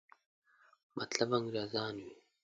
مطلب انګریزان وي.